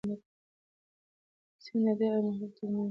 سیند د ده او محبوب تر منځ دی.